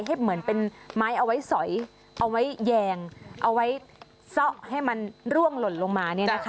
เหมือนเป็นไม้เอาไว้สอยเอาไว้แยงเอาไว้ซะให้มันร่วงหล่นลงมา